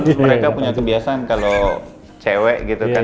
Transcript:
ini yang biasa kan kalau cewek gitu kan ya